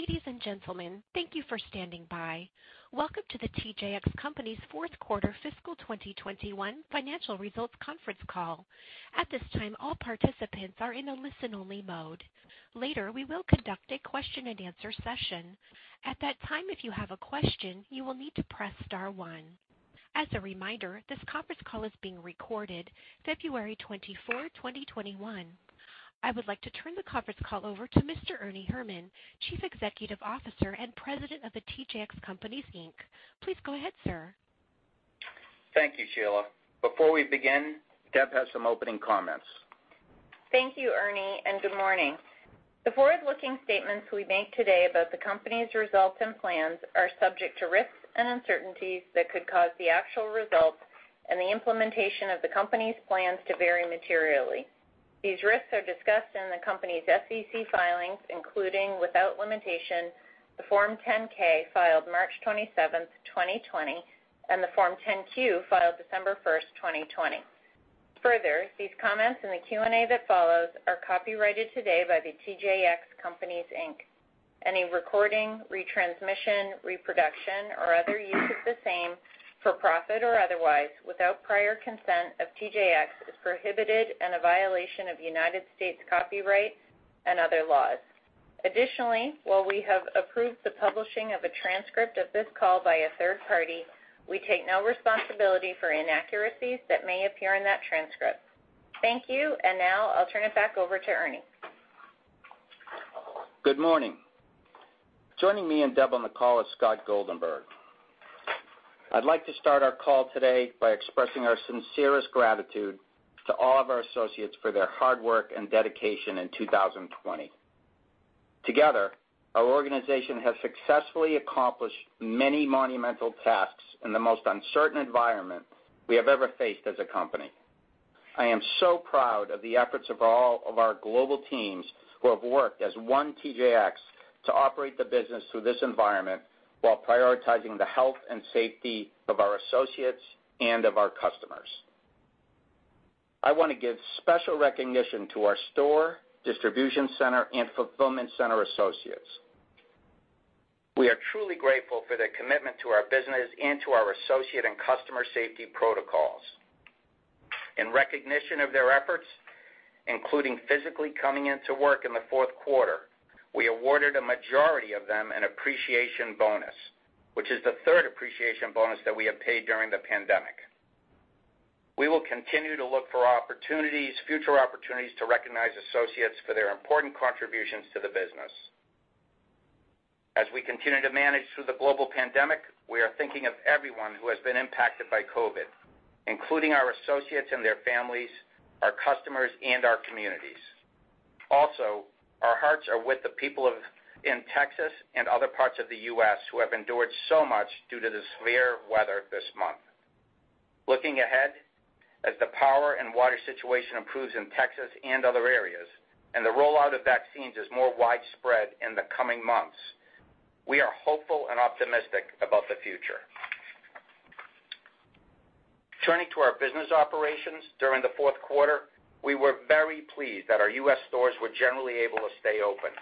Ladies and gentlemen, thank you for standing by. Welcome to the TJX Companies' Fourth Quarter Fiscal 2021 financial results conference call. At this time, all participants are in a listen-only mode. Later, we will conduct a question and answer session. At that time, if you have a question, you will need to press star one. As a reminder, this conference call is being recorded February 24, 2021. I would like to turn the conference call over to Mr. Ernie Herrman, Chief Executive Officer and President of The TJX Companies, Inc. Please go ahead, sir. Thank you, Sheila. Before we begin, Deb has some opening comments. Thank you, Ernie, and good morning. The forward-looking statements we make today about the company's results and plans are subject to risks and uncertainties that could cause the actual results and the implementation of the company's plans to vary materially. These risks are discussed in the company's SEC filings, including, without limitation, the Form 10-K filed March 27, 2020, and the Form 10-Q filed December 1, 2020. Further, these comments and the Q&A that follows are copyrighted today by The TJX Companies, Inc. Any recording, retransmission, reproduction, or other use of the same, for profit or otherwise, without prior consent of TJX, is prohibited and a violation of United States copyrights and other laws. Additionally, while we have approved the publishing of a transcript of this call by a third party, we take no responsibility for inaccuracies that may appear in that transcript. Thank you. Now I'll turn it back over to Ernie. Good morning. Joining me and Deb on the call is Scott Goldenberg. I'd like to start our call today by expressing our sincerest gratitude to all of our associates for their hard work and dedication in 2020. Together, our organization has successfully accomplished many monumental tasks in the most uncertain environment we have ever faced as a company. I am so proud of the efforts of all of our global teams who have worked as one The TJX Companies to operate the business through this environment while prioritizing the health and safety of our associates and of our customers. I want to give special recognition to our store, distribution center, and fulfillment center associates. We are truly grateful for their commitment to our business and to our associate and customer safety protocols. In recognition of their efforts, including physically coming into work in the fourth quarter, we awarded a majority of them an appreciation bonus, which is the third appreciation bonus that we have paid during the pandemic. We will continue to look for future opportunities to recognize associates for their important contributions to the business. As we continue to manage through the global pandemic, we are thinking of everyone who has been impacted by COVID, including our associates and their families, our customers, and our communities. Also, our hearts are with the people in Texas and other parts of the U.S. who have endured so much due to the severe weather this month. Looking ahead, as the power and water situation improves in Texas and other areas, and the rollout of vaccines is more widespread in the coming months, we are hopeful and optimistic about the future. Turning to our business operations, during the fourth quarter, we were very pleased that our U.S. stores were generally able to stay open.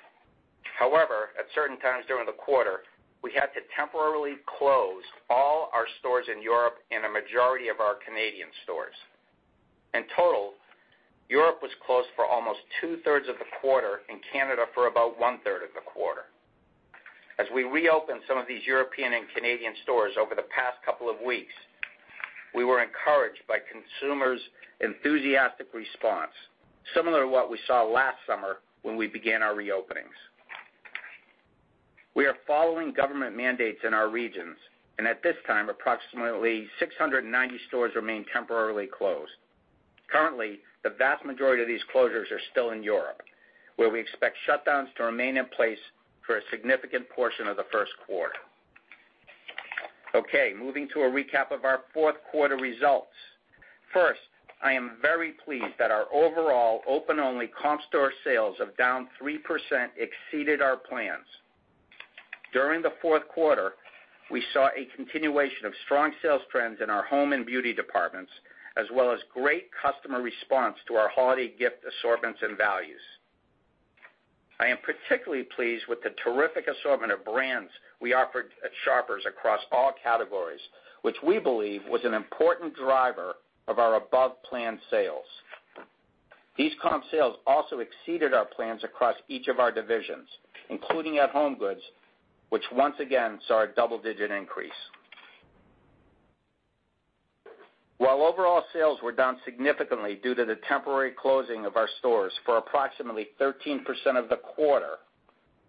However, at certain times during the quarter, we had to temporarily close all our stores in Europe and a majority of our Canadian stores. In total, Europe was closed for almost two-thirds of the quarter and Canada for about one-third of the quarter. As we reopened some of these European and Canadian stores over the past couple of weeks, we were encouraged by consumers' enthusiastic response, similar to what we saw last summer when we began our reopenings. We are following government mandates in our regions, and at this time, approximately 690 stores remain temporarily closed. Currently, the vast majority of these closures are still in Europe, where we expect shutdowns to remain in place for a significant portion of the first quarter. Okay, moving to a recap of our fourth quarter results. First, I am very pleased that our overall open-only comp store sales of down 3% exceeded our plans. During the fourth quarter, we saw a continuation of strong sales trends in our home and beauty departments, as well as great customer response to our holiday gift assortments and values. I am particularly pleased with the terrific assortment of brands we offered at sharper prices across all categories, which we believe was an important driver of our above-plan sales. These comp sales also exceeded our plans across each of our divisions, including at HomeGoods, which once again saw a double-digit increase. While overall sales were down significantly due to the temporary closing of our stores for approximately 13% of the quarter,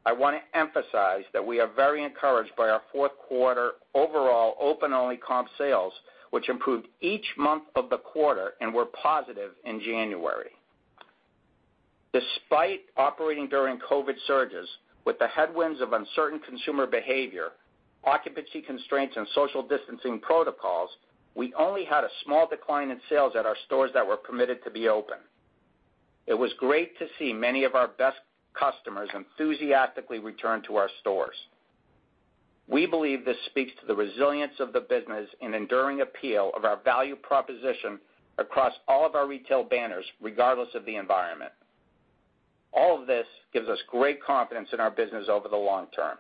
I want to emphasize that we are very encouraged by our fourth quarter overall open-only comp sales, which improved each month of the quarter and were positive in January. Despite operating during COVID surges with the headwinds of uncertain consumer behavior, occupancy constraints, and social distancing protocols, we only had a small decline in sales at our stores that were permitted to be open. It was great to see many of our best customers enthusiastically return to our stores. We believe this speaks to the resilience of the business and enduring appeal of our value proposition across all of our retail banners, regardless of the environment. All of this gives us great confidence in our business over the long term.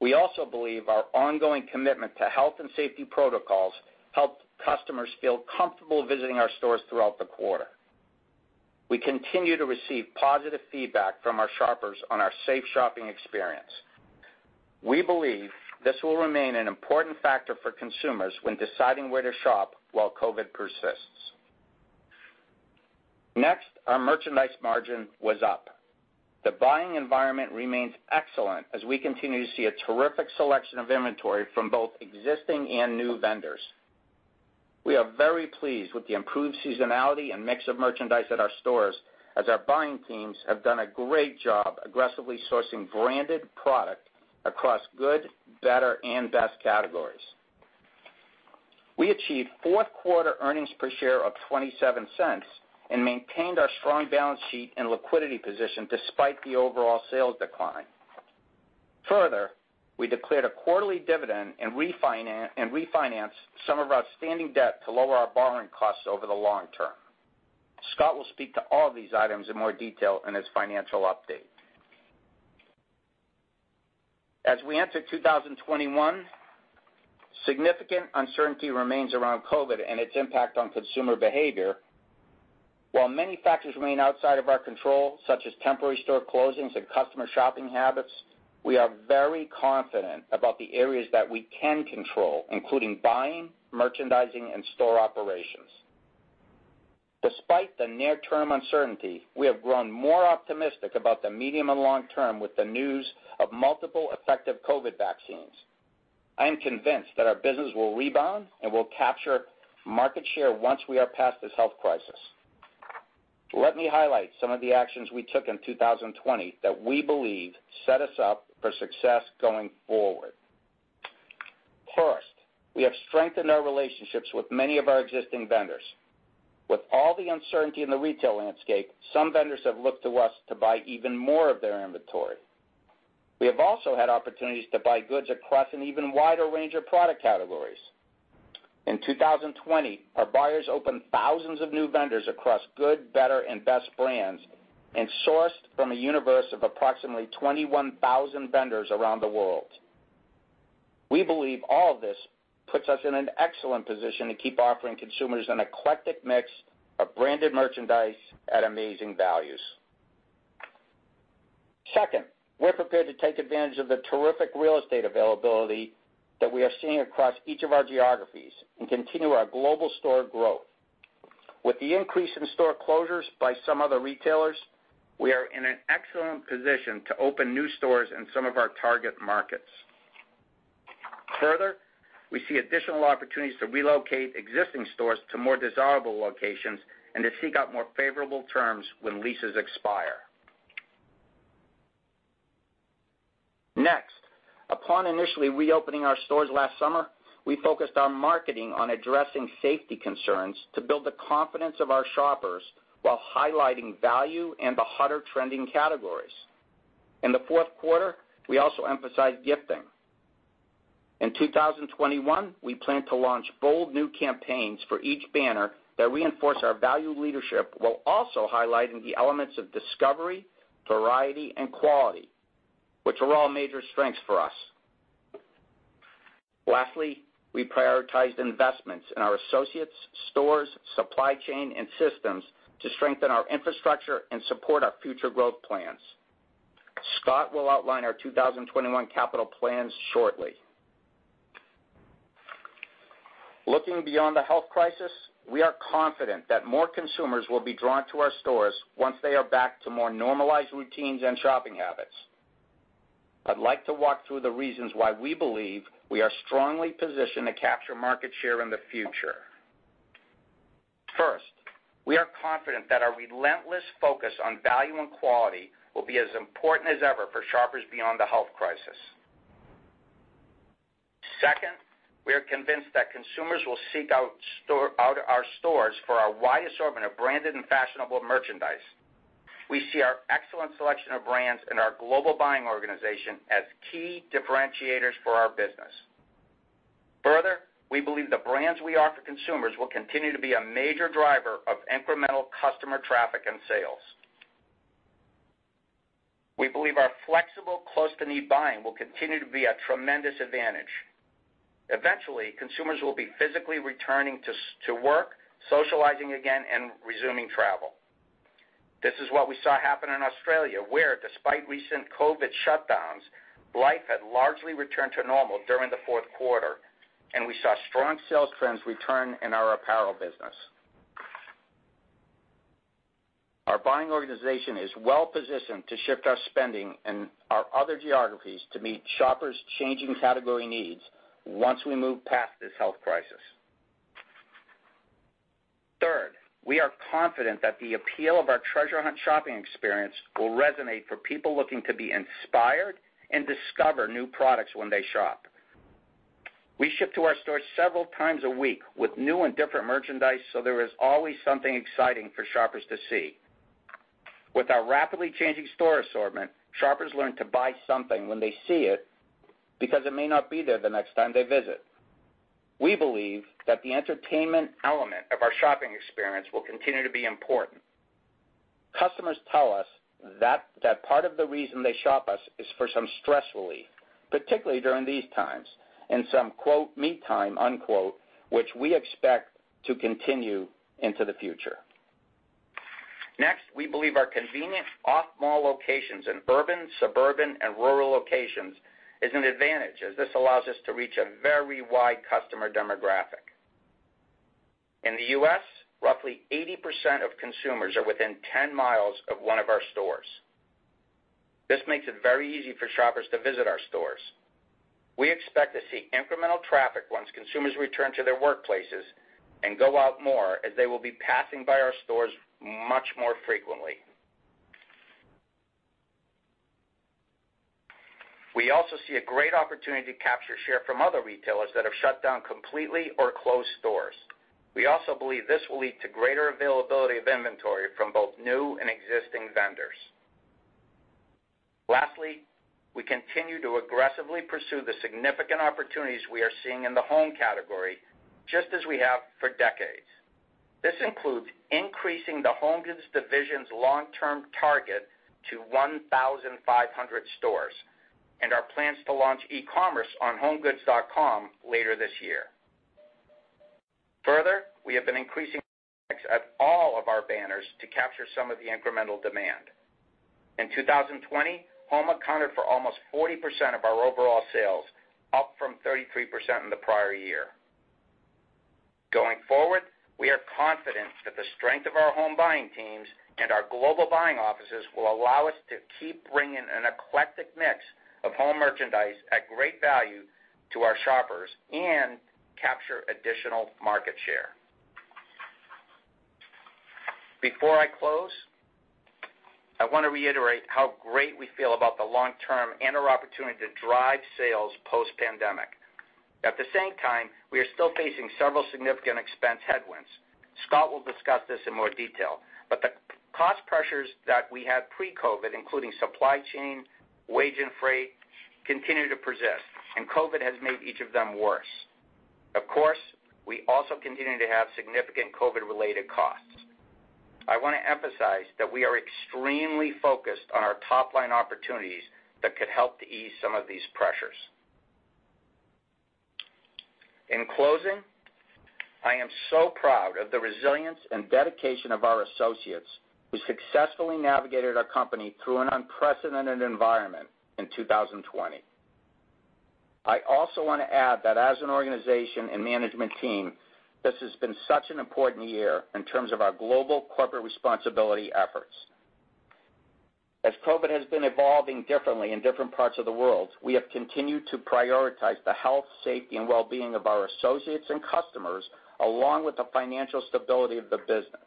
We also believe our ongoing commitment to health and safety protocols helped customers feel comfortable visiting our stores throughout the quarter. We continue to receive positive feedback from our shoppers on our safe shopping experience. We believe this will remain an important factor for consumers when deciding where to shop while COVID persists. Next, our merchandise margin was up. The buying environment remains excellent as we continue to see a terrific selection of inventory from both existing and new vendors. We are very pleased with the improved seasonality and mix of merchandise at our stores, as our buying teams have done a great job aggressively sourcing branded product across good, better, and best categories. We achieved fourth quarter earnings per share of $0.27 and maintained our strong balance sheet and liquidity position despite the overall sales decline. Further, we declared a quarterly dividend and refinanced some of our outstanding debt to lower our borrowing costs over the long term. Scott will speak to all of these items in more detail in his financial update. As we enter 2021, significant uncertainty remains around COVID and its impact on consumer behavior. While many factors remain outside of our control, such as temporary store closings and customer shopping habits, we are very confident about the areas that we can control, including buying, merchandising, and store operations. Despite the near-term uncertainty, we have grown more optimistic about the medium and long term with the news of multiple effective COVID vaccines. I am convinced that our business will rebound, and we'll capture market share once we are past this health crisis. Let me highlight some of the actions we took in 2020 that we believe set us up for success going forward. First, we have strengthened our relationships with many of our existing vendors. With all the uncertainty in the retail landscape, some vendors have looked to us to buy even more of their inventory. We have also had opportunities to buy goods across an even wider range of product categories. In 2020, our buyers opened thousands of new vendors across good, better, and best brands and sourced from a universe of approximately 21,000 vendors around the world. We believe all of this puts us in an excellent position to keep offering consumers an eclectic mix of branded merchandise at amazing values. Second, we're prepared to take advantage of the terrific real estate availability that we are seeing across each of our geographies and continue our global store growth. With the increase in store closures by some other retailers, we are in an excellent position to open new stores in some of our target markets. Further, we see additional opportunities to relocate existing stores to more desirable locations and to seek out more favorable terms when leases expire. Next, upon initially reopening our stores last summer, we focused our marketing on addressing safety concerns to build the confidence of our shoppers while highlighting value and the hotter trending categories. In the fourth quarter, we also emphasized gifting. In 2021, we plan to launch bold new campaigns for each banner that reinforce our value leadership, while also highlighting the elements of discovery, variety, and quality, which are all major strengths for us. Lastly, we prioritized investments in our associates, stores, supply chain, and systems to strengthen our infrastructure and support our future growth plans. Scott will outline our 2021 capital plans shortly. Looking beyond the health crisis, we are confident that more consumers will be drawn to our stores once they are back to more normalized routines and shopping habits. I'd like to walk through the reasons why we believe we are strongly positioned to capture market share in the future. First, we are confident that our relentless focus on value and quality will be as important as ever for shoppers beyond the health crisis. Second, we are convinced that consumers will seek out our stores for our wide assortment of branded and fashionable merchandise. We see our excellent selection of brands and our global buying organization as key differentiators for our business. Further, we believe the brands we offer consumers will continue to be a major driver of incremental customer traffic and sales. We believe our flexible close-to-need buying will continue to be a tremendous advantage. Eventually, consumers will be physically returning to work, socializing again, and resuming travel. This is what we saw happen in Australia, where, despite recent COVID shutdowns, life had largely returned to normal during the fourth quarter, and we saw strong sales trends return in our apparel business. Our buying organization is well positioned to shift our spending in our other geographies to meet shoppers' changing category needs once we move past this health crisis. Third, we are confident that the appeal of our treasure hunt shopping experience will resonate for people looking to be inspired and discover new products when they shop. We ship to our stores several times a week with new and different merchandise, so there is always something exciting for shoppers to see. With our rapidly changing store assortment, shoppers learn to buy something when they see it, because it may not be there the next time they visit. We believe that the entertainment element of our shopping experience will continue to be important. Customers tell us that part of the reason they shop us is for some stress relief, particularly during these times, and some, quote, "me time," unquote, which we expect to continue into the future. Next, we believe our convenient off-mall locations in urban, suburban, and rural locations is an advantage, as this allows us to reach a very wide customer demographic. In the U.S., roughly 80% of consumers are within 10 miles of one of our stores. This makes it very easy for shoppers to visit our stores. We expect to see incremental traffic once consumers return to their workplaces and go out more, as they will be passing by our stores much more frequently. We also see a great opportunity to capture share from other retailers that have shut down completely or closed stores. We also believe this will lead to greater availability of inventory from both new and existing vendors. Lastly, we continue to aggressively pursue the significant opportunities we are seeing in the home category, just as we have for decades. This includes increasing the HomeGoods division's long-term target to 1,500 stores, and our plans to launch e-commerce on homegoods.com later this year. Further, we have been increasing all of our banners to capture some of the incremental demand. In 2020, home accounted for almost 40% of our overall sales, up from 33% in the prior year. Going forward, we are confident that the strength of our home buying teams and our global buying offices will allow us to keep bringing an eclectic mix of home merchandise at great value to our shoppers, and capture additional market share. Before I close, I want to reiterate how great we feel about the long term and our opportunity to drive sales post-pandemic. At the same time, we are still facing several significant expense headwinds. Scott will discuss this in more detail, but the cost pressures that we had pre-COVID, including supply chain, wage, and freight, continue to persist, and COVID has made each of them worse. Of course, we also continue to have significant COVID-related costs. I want to emphasize that we are extremely focused on our top-line opportunities that could help to ease some of these pressures. In closing, I am so proud of the resilience and dedication of our associates, who successfully navigated our company through an unprecedented environment in 2020. I also want to add that as an organization and management team, this has been such an important year in terms of our global corporate responsibility efforts. As COVID has been evolving differently in different parts of the world, we have continued to prioritize the health, safety, and wellbeing of our associates and customers, along with the financial stability of the business.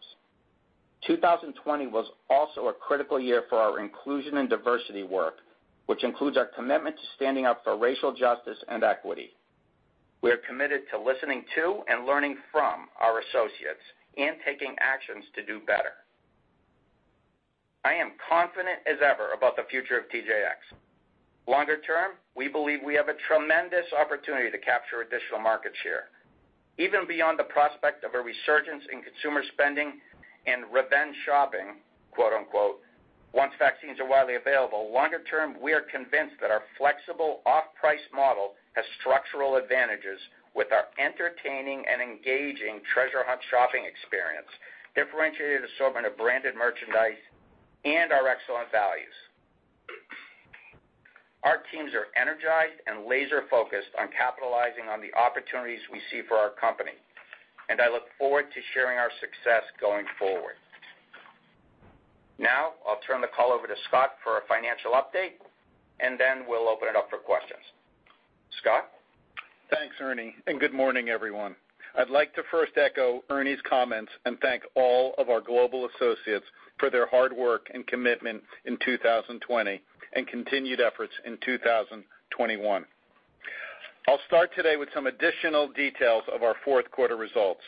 2020 was also a critical year for our inclusion and diversity work, which includes our commitment to standing up for racial justice and equity. We are committed to listening to and learning from our associates and taking actions to do better. I am confident as ever about the future of TJX. Longer term, we believe we have a tremendous opportunity to capture additional market share, even beyond the prospect of a resurgence in consumer spending and "revenge shopping," quote, unquote, once vaccines are widely available. Longer term, we are convinced that our flexible off-price model has structural advantages with our entertaining and engaging treasure hunt shopping experience, differentiated assortment of branded merchandise, and our excellent values. Our teams are energized and laser-focused on capitalizing on the opportunities we see for our company, and I look forward to sharing our success going forward. Now, I'll turn the call over to Scott for a financial update, and then we'll open it up for questions. Scott? Thanks, Ernie. Good morning, everyone. I'd like to first echo Ernie's comments and thank all of our global associates for their hard work and commitment in 2020 and continued efforts in 2021. I'll start today with some additional details of our fourth quarter results.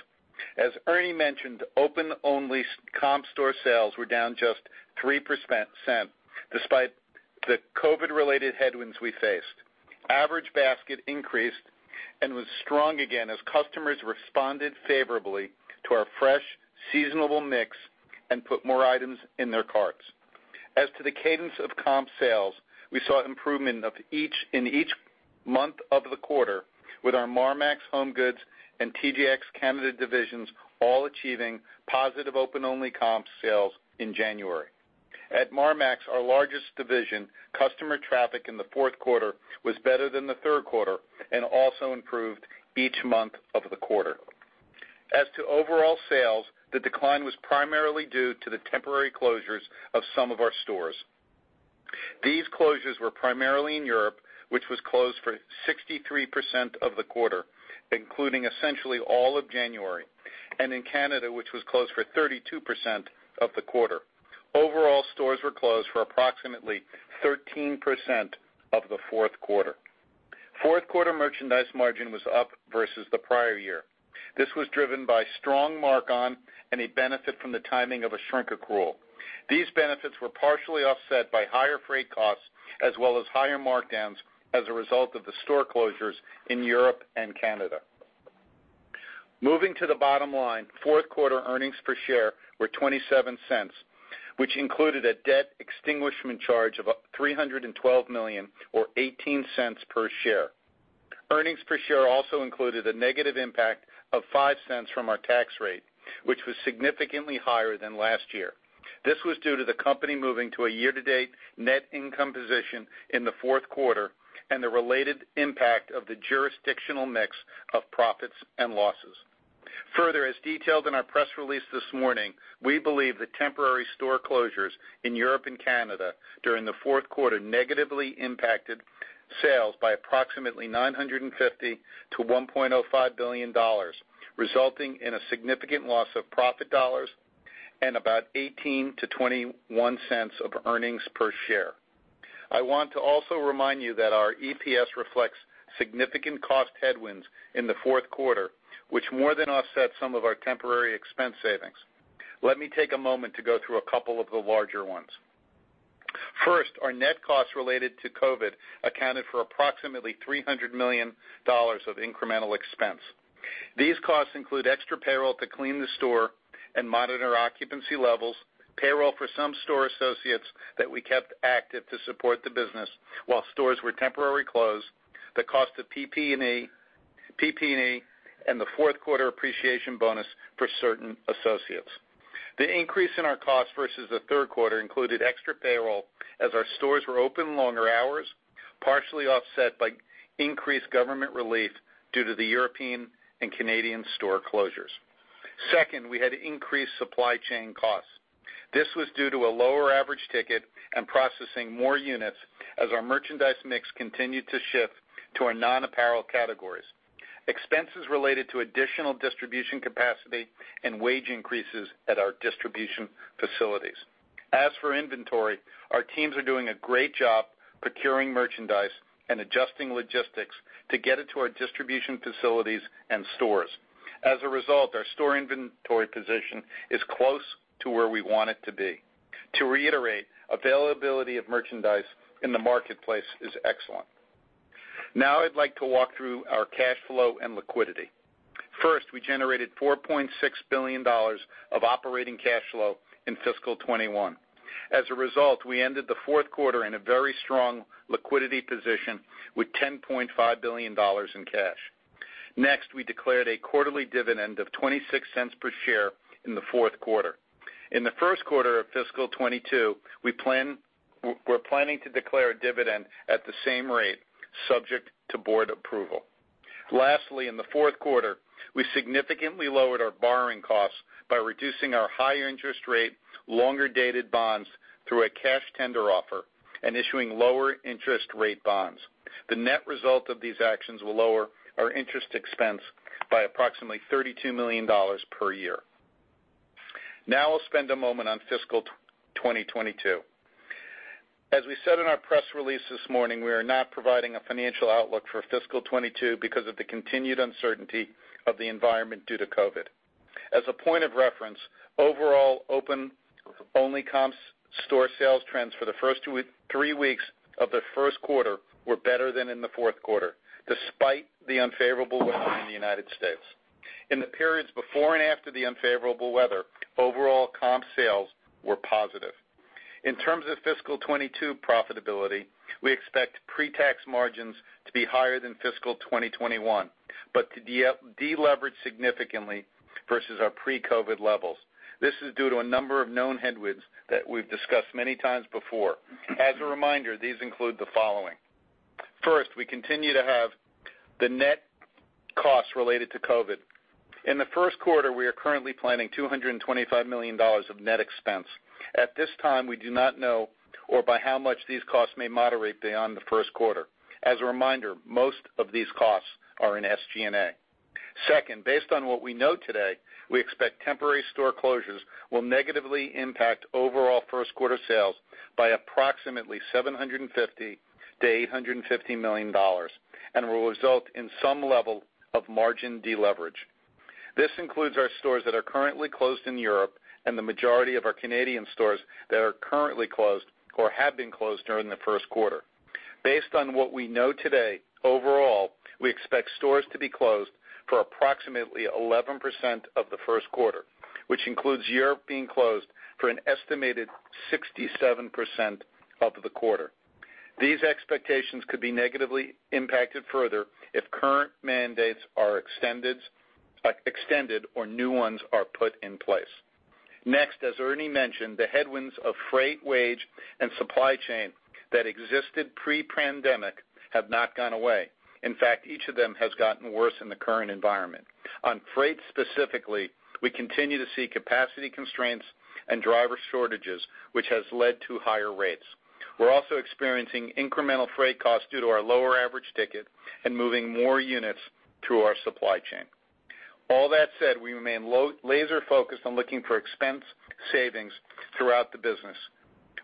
As Ernie mentioned, open-only comp store sales were down just 3%, despite the COVID-related headwinds we faced. Average basket increased and was strong again as customers responded favorably to our fresh, seasonable mix and put more items in their carts. As to the cadence of comp sales, we saw improvement in each month of the quarter with our Marmaxx, HomeGoods, and TJX Canada divisions all achieving positive open-only comp sales in January. At Marmaxx, our largest division, customer traffic in the fourth quarter was better than the third quarter and also improved each month of the quarter. As to overall sales, the decline was primarily due to the temporary closures of some of our stores. These closures were primarily in Europe, which was closed for 63% of the quarter. Including essentially all of January, and in Canada, which was closed for 32% of the quarter. Overall, stores were closed for approximately 13% of the fourth quarter. Fourth quarter merchandise margin was up versus the prior year. This was driven by strong mark-on and a benefit from the timing of a shrink accrual. These benefits were partially offset by higher freight costs as well as higher markdowns as a result of the store closures in Europe and Canada. Moving to the bottom line, fourth quarter earnings per share were $0.27, which included a debt extinguishment charge of $312 million or $0.18 per share. Earnings per share also included a negative impact of $0.05 from our tax rate, which was significantly higher than last year. This was due to the company moving to a year-to-date net income position in the fourth quarter and the related impact of the jurisdictional mix of profits and losses. Further, as detailed in our press release this morning, we believe the temporary store closures in Europe and Canada during the fourth quarter negatively impacted sales by approximately $950 million-$1.05 billion, resulting in a significant loss of profit dollars and about $0.18-$0.21 of earnings per share. I want to also remind you that our EPS reflects significant cost headwinds in the fourth quarter, which more than offset some of our temporary expense savings. Let me take a moment to go through a couple of the larger ones. First, our net costs related to COVID accounted for approximately $300 million of incremental expense. These costs include extra payroll to clean the store and monitor occupancy levels, payroll for some store associates that we kept active to support the business while stores were temporarily closed, the cost of PPE, and the fourth quarter appreciation bonus for certain associates. The increase in our cost versus the third quarter included extra payroll as our stores were open longer hours, partially offset by increased government relief due to the European and Canadian store closures. Second, we had increased supply chain costs. This was due to a lower average ticket and processing more units as our merchandise mix continued to shift to our non-apparel categories. Expenses related to additional distribution capacity and wage increases at our distribution facilities. As for inventory, our teams are doing a great job procuring merchandise and adjusting logistics to get it to our distribution facilities and stores. As a result, our store inventory position is close to where we want it to be. To reiterate, availability of merchandise in the marketplace is excellent. Now, I'd like to walk through our cash flow and liquidity. First, we generated $4.6 billion of operating cash flow in fiscal 2021. As a result, we ended the fourth quarter in a very strong liquidity position with $10.5 billion in cash. Next, we declared a quarterly dividend of $0.26 per share in the fourth quarter. In the first quarter of fiscal 2022, we're planning to declare a dividend at the same rate subject to board approval. Lastly, in the fourth quarter, we significantly lowered our borrowing costs by reducing our higher interest rate, longer-dated bonds through a cash tender offer and issuing lower interest rate bonds. The net result of these actions will lower our interest expense by approximately $32 million per year. Now, I'll spend a moment on fiscal 2022. As we said in our press release this morning, we are not providing a financial outlook for fiscal 2022 because of the continued uncertainty of the environment due to COVID. As a point of reference, overall open-only comp store sales trends for the first three weeks of the first quarter were better than in the fourth quarter, despite the unfavorable weather in the United States. In the periods before and after the unfavorable weather, overall comp sales were positive. In terms of fiscal 2022 profitability, we expect pre-tax margins to be higher than fiscal 2021, but to de-leverage significantly versus our pre-COVID levels. This is due to a number of known headwinds that we've discussed many times before. As a reminder, these include the following. First, we continue to have the net costs related to COVID. In the first quarter, we are currently planning $225 million of net expense. At this time, we do not know or by how much these costs may moderate beyond the first quarter. As a reminder, most of these costs are in SG&A. Second, based on what we know today, we expect temporary store closures will negatively impact overall first quarter sales by approximately $750 million-$850 million and will result in some level of margin de-leverage. This includes our stores that are currently closed in Europe and the majority of our Canadian stores that are currently closed or have been closed during the first quarter. Based on what we know today, overall, we expect stores to be closed for approximately 11% of the first quarter, which includes Europe being closed for an estimated 67% of the quarter. These expectations could be negatively impacted further if current mandates are extended or new ones are put in place. Next, as Ernie mentioned, the headwinds of freight, wage, and supply chain that existed pre-pandemic have not gone away. In fact, each of them has gotten worse in the current environment. On freight specifically, we continue to see capacity constraints and driver shortages, which has led to higher rates. We're also experiencing incremental freight costs due to our lower average ticket and moving more units through our supply chain. All that said, we remain laser focused on looking for expense savings throughout the business.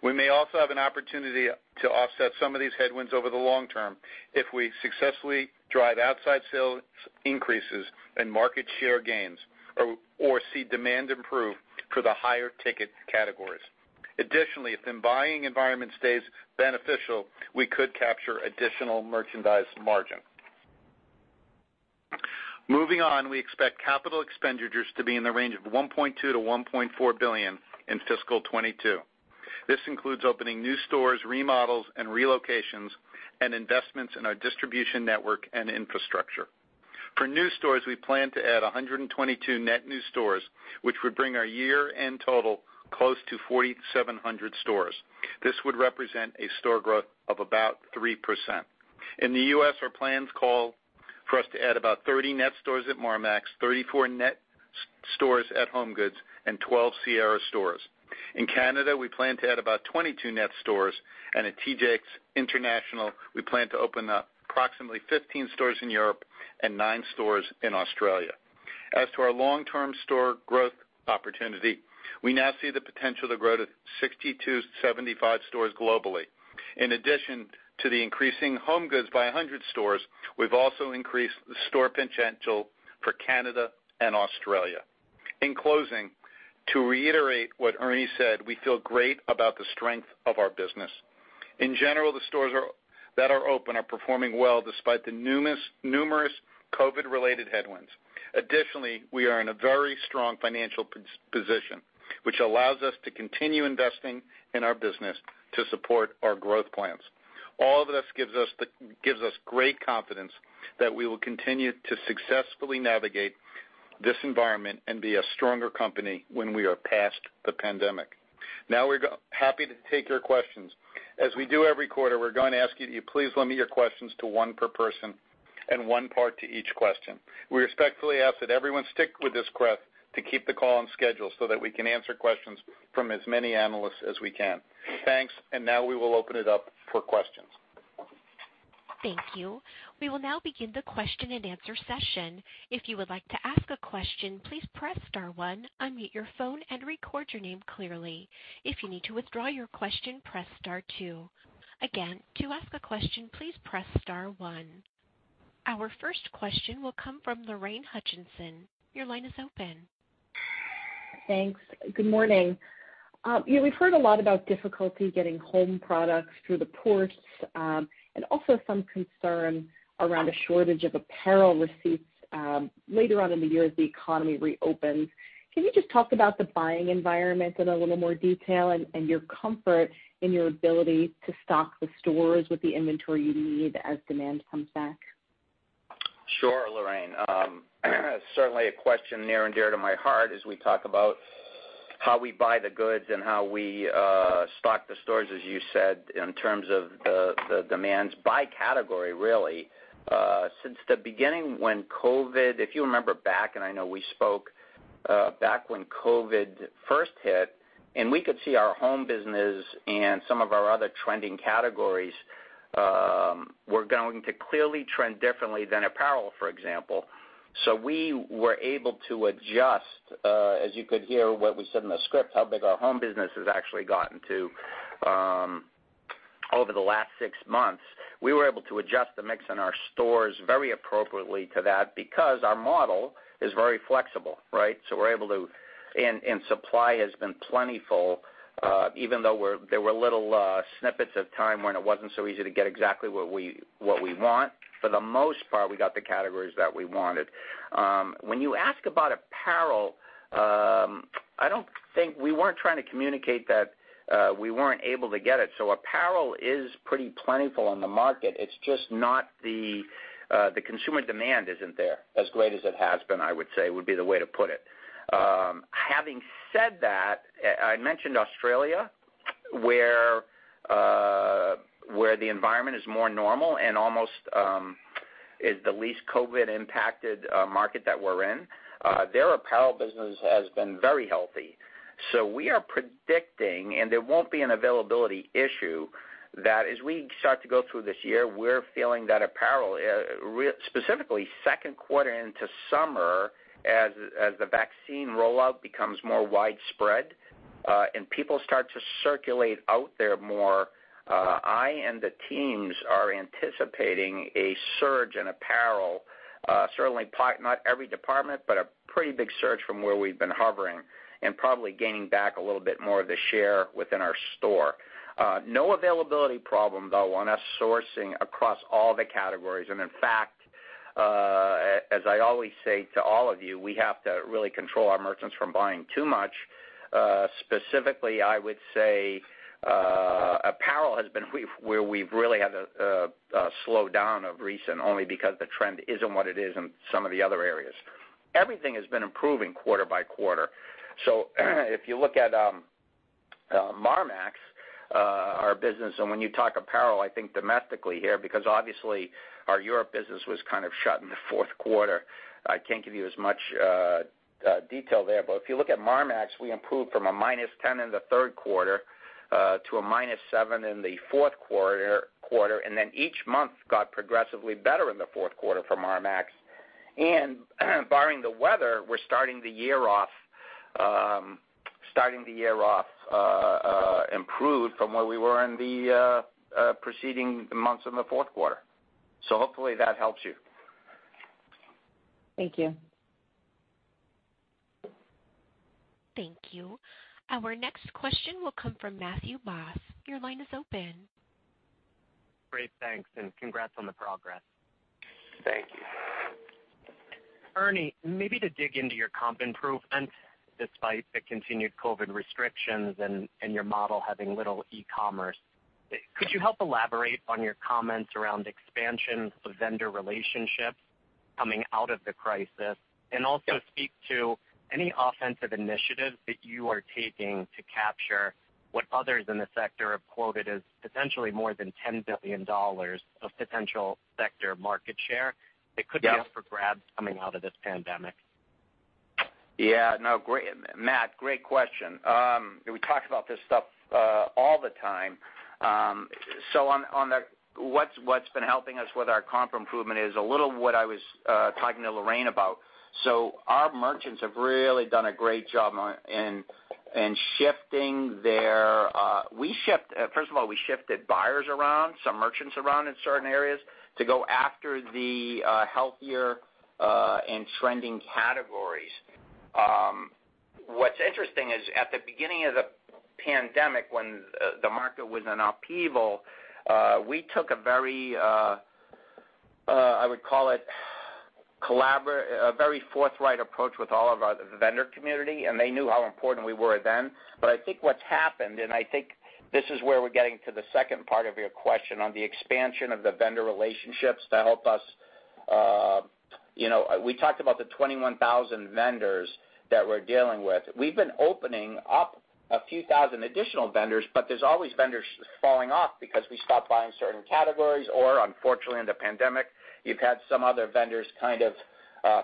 We may also have an opportunity to offset some of these headwinds over the long term if we successfully drive outsized sales increases and market share gains or see demand improve for the higher ticket categories. Additionally, if the buying environment stays beneficial, we could capture additional merchandise margin. Moving on, we expect capital expenditures to be in the range of $1.2 billion-$1.4 billion in fiscal 2022. This includes opening new stores, remodels, and relocations, and investments in our distribution network and infrastructure. For new stores, we plan to add 122 net new stores, which would bring our year-end total close to 4,700 stores. This would represent a store growth of about 3%. In the U.S., our plans call for us to add about 30 net stores at Marmaxx, 34 net stores at HomeGoods, and 12 Sierra stores. In Canada, we plan to add about 22 net stores, and at TJX International, we plan to open up approximately 15 stores in Europe and nine stores in Australia. As to our long-term store growth opportunity, we now see the potential to grow to 6,275 stores globally. In addition to the increasing HomeGoods by 100 stores, we've also increased the store potential for Canada and Australia. In closing, to reiterate what Ernie said, we feel great about the strength of our business. In general, the stores that are open are performing well despite the numerous COVID-related headwinds. Additionally, we are in a very strong financial position, which allows us to continue investing in our business to support our growth plans. All of this gives us great confidence that we will continue to successfully navigate this environment and be a stronger company when we are past the pandemic. Now we're happy to take your questions. As we do every quarter, we're going to ask you to please limit your questions to one per person and one part to each question. We respectfully ask that everyone stick with this request to keep the call on schedule so that we can answer questions from as many analysts as we can. Thanks and now we will open it up for questions. Thank you. We will now begin the question and answer session. If you would like to ask a question, please press star one, unmute your phone and record your name clearly. If you need to withdraw your question, press star two. Again, to ask a question, please press star one. Our first question will come from Lorraine Hutchinson. Your line is open. Thanks. Good morning. We've heard a lot about difficulty getting home products through the ports, and also some concern around a shortage of apparel receipts later on in the year as the economy reopens. Can you just talk about the buying environment in a little more detail and your comfort in your ability to stock the stores with the inventory you need as demand comes back? Sure, Lorraine. Certainly, a question near and dear to my heart as we talk about how we buy the goods and how we stock the stores, as you said, in terms of the demands by category, really. Since the beginning when COVID, if you remember back, and I know we spoke back when COVID first hit, and we could see our home business and some of our other trending categories were going to clearly trend differently than apparel, for example. We were able to adjust, as you could hear what we said in the script, how big our home business has actually gotten to over the last six months. We were able to adjust the mix in our stores very appropriately to that because our model is very flexible, right? Supply has been plentiful even though there were little snippets of time when it wasn't so easy to get exactly what we want. For the most part, we got the categories that we wanted. When you ask about apparel, we weren't trying to communicate that we weren't able to get it. Apparel is pretty plentiful in the market. It's just not the consumer demand isn't there, as great as it has been, I would say, would be the way to put it. Having said that, I mentioned Australia, where the environment is more normal and almost is the least COVID-impacted market that we're in. Their apparel business has been very healthy. We are predicting, and there won't be an availability issue, that as we start to go through this year, we're feeling that apparel, specifically second quarter into summer, as the vaccine rollout becomes more widespread, and people start to circulate out there more, I and the teams are anticipating a surge in apparel. Certainly, not every department, but a pretty big surge from where we've been hovering and probably gaining back a little bit more of the share within our store. No availability problem, though, on us sourcing across all the categories. In fact, as I always say to all of you, we have to really control our merchants from buying too much. Specifically, I would say, apparel has been where we've really had a slowdown of recent only because the trend isn't what it is in some of the other areas. Everything has been improving quarter by quarter. If you look at Marmaxx, our business, and when you talk apparel, I think domestically here, because obviously our Europe business was kind of shut in the fourth quarter. I can't give you as much detail there, but if you look at Marmaxx, we improved from a -10% in the third quarter To a -7 in the fourth quarter, and then each month got progressively better in the fourth quarter from Marmaxx. Barring the weather, we're starting the year off improved from where we were in the preceding months in the fourth quarter. Hopefully that helps you. Thank you. Thank you. Our next question will come from Matthew Boss. Your line is open. Great. Thanks and congrats on the progress. Thank you. Ernie, maybe to dig into your comp improvement, despite the continued COVID restrictions and your model having little e-commerce, could you help elaborate on your comments around expansions of vendor relationships coming out of the crisis? Also speak to any offensive initiatives that you are taking to capture what others in the sector have quoted as potentially more than $10 billion of potential sector market share that could be up for grabs coming out of this pandemic. Matt, great question. We talk about this stuff all the time. On what's been helping us with our comp improvement is a little of what I was talking to Lorraine about. Our merchants have really done a great job in shifting their --we shift-- first of all, we shifted buyers around, some merchants around in certain areas to go after the healthier and trending categories. What's interesting is, at the beginning of the pandemic, when the market was in upheaval, we took a very, I would call it, very forthright approach with all of our vendor community, and they knew how important we were then. I think what's happened, and I think this is where we're getting to the second part of your question on the expansion of the vendor relationships to help us. We talked about the 21,000 vendors that we're dealing with. We've been opening up a few thousand additional vendors, but there's always vendors falling off because we stop buying certain categories, or unfortunately, in the pandemic, you've had some other vendors kind of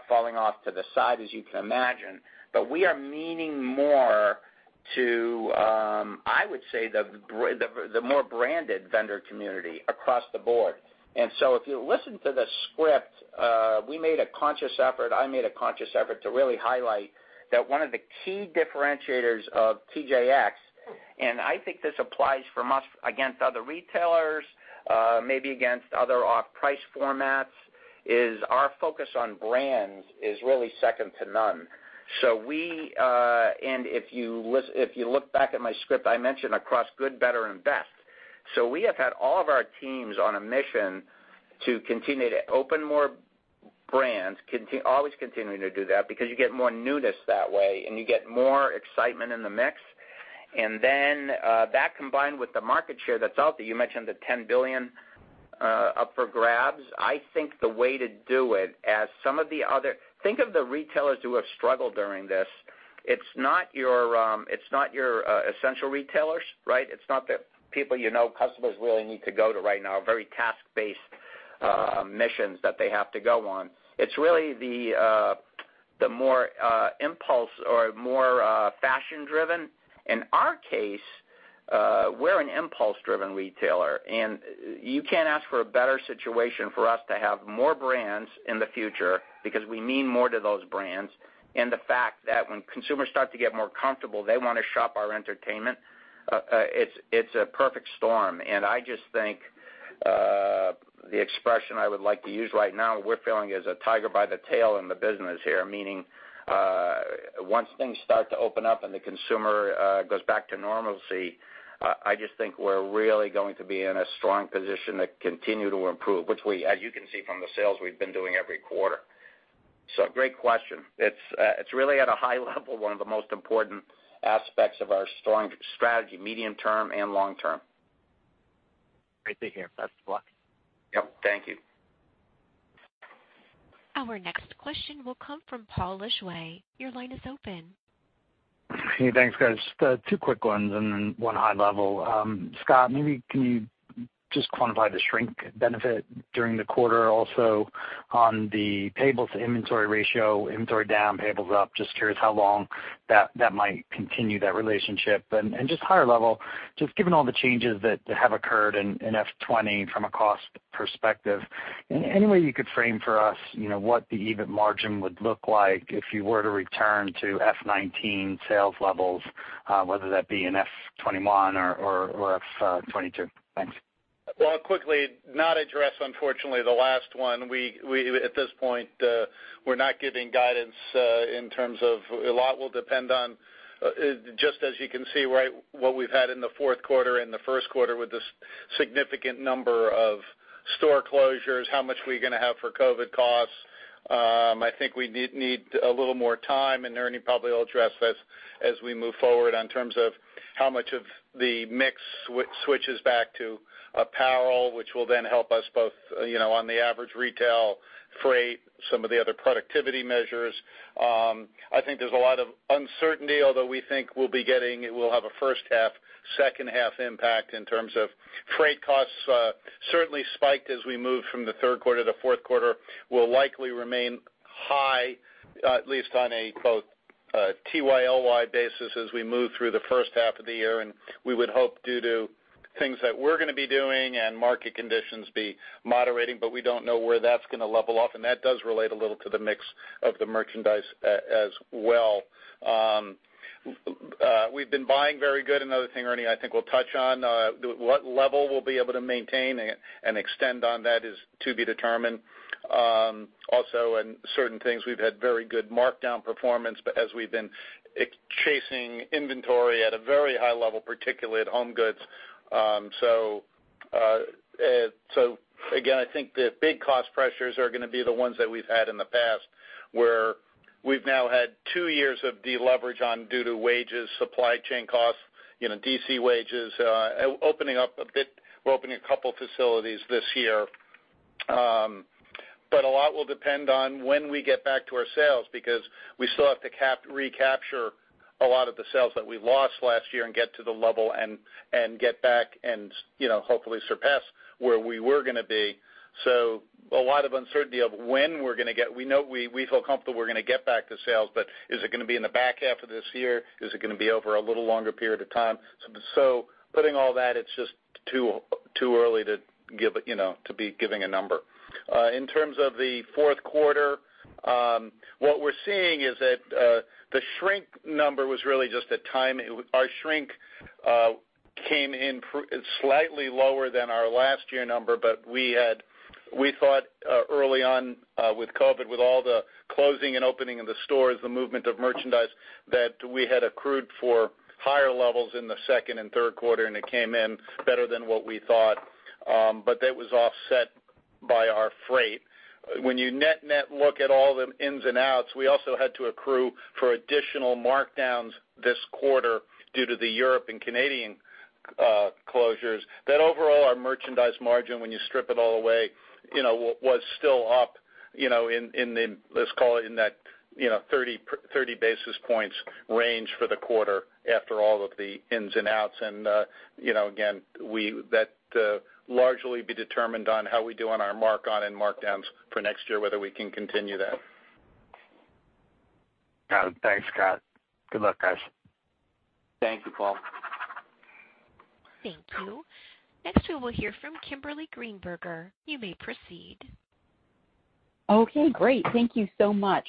falling off to the side, as you can imagine. We are meaning more to, I would say, the more branded vendor community across the board. If you listen to the script, we made a conscious effort, I made a conscious effort to really highlight that one of the key differentiators of TJX, and I think this applies from us against other retailers, maybe against other off-price formats is our focus on brands is really second to none. If you look back at my script, I mentioned across good, better, and best. We have had all of our teams on a mission to continue to open more brands, always continuing to do that because you get more newness that way, and you get more excitement in the mix. That combined with the market share that's out there, you mentioned the $10 billion up for grabs. I think the way to do it as some of the other -- think of the retailers who have struggled during this. It's not your essential retailers, right? It's not the people customers really need to go to right now, very task-based missions that they have to go on. It's really the more impulse or more fashion driven. In our case, we're an impulse-driven retailer, and you can't ask for a better situation for us to have more brands in the future because we mean more to those brands. The fact that when consumers start to get more comfortable, they want to shop our entertainment. It's a perfect storm. I just think, the expression I would like to use right now, we're feeling is a tiger by the tail in the business here, meaning, once things start to open up and the consumer goes back to normalcy, I just think we're really going to be in a strong position to continue to improve, which we, as you can see from the sales we've been doing every quarter. Great question. It's really at a high level, one of the most important aspects of our strong strategy, medium term and long term. Great to hear. Best of luck. Yep. Thank you. Our next question will come from Paul Lejuez. Your line is open. Hey, thanks, guys. two quick ones and then one high level. Scott, maybe can you just quantify the shrink benefit during the quarter also on the payables to inventory ratio, inventory down, payables up, just curious how long that might continue that relationship. Just higher level, just given all the changes that have occurred in FY 2020 from a cost perspective, any way you could frame for us, you know, what the EBIT margin would look like if you were to return to FY 2019 sales levels, whether that be in FY 2021 or FY 2022? Thanks. Quickly, not address, unfortunately, the last one. At this point, we're not giving guidance in terms of a lot will depend on, just as you can see, right, what we've had in the fourth quarter and the first quarter with this significant number of store closures, how much we're going to have for COVID costs. I think we need a little more time, and Ernie probably will address this as we move forward in terms of how much of the mix switches back to apparel, which will then help us both on the average retail, freight, some of the other productivity measures. I think there's a lot of uncertainty, although we think we'll have a first half, second half impact in terms of freight costs certainly spiked as we moved from the third quarter to fourth quarter, will likely remain. high, at least on a both TYLY basis as we move through the first half of the year, and we would hope due to things that we're going to be doing and market conditions be moderating, but we don't know where that's going to level off, and that does relate a little to the mix of the merchandise as well. We've been buying very good. Another thing, Ernie, I think we'll touch on, what level we'll be able to maintain and extend on that is to be determined. Also, in certain things, we've had very good markdown performance, but as we've been chasing inventory at a very high level, particularly at HomeGoods. Again, I think the big cost pressures are going to be the ones that we've had in the past, where we've now had two years of deleverage on due to wages, supply chain costs, DC wages, opening up a bit. We're opening a couple facilities this year, but a lot will depend on when we get back to our sales, because we still have to recapture a lot of the sales that we lost last year and get to the level and get back and hopefully surpass where we were going to be. So a lot of uncertainty of when are going to get, we know -- we feel comfortable we're going to get back to sales, but is it going to be in the back half of this year? Is it going to be over a little longer period of time? Putting all that, it's just too early to be giving a number. In terms of the fourth quarter, what we're seeing is that the shrink number was really just a timing. Our shrink came in slightly lower than our last year number, but we thought early on with COVID, with all the closing and opening of the stores, the movement of merchandise, that we had accrued for higher levels in the second and third quarter, and it came in better than what we thought, but that was offset by our freight. When you net-net look at all the ins and outs, we also had to accrue for additional markdowns this quarter due to the Europe and Canadian closures. That overall, our merchandise margin, when you strip it all away, was still up in, let's call it, in that 30 basis points range for the quarter after all of the ins and outs. Again, that largely be determined on how we do on our mark-on and markdowns for next year, whether we can continue that. Got it. Thanks, Scott. Good luck, guys. Thank you, Paul. Thank you. Next, we will hear from Kimberly Greenberger. You may proceed. Okay, great. Thank you so much.